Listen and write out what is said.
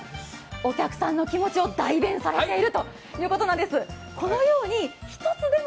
お客さんの気持ちを代弁されているということのようです。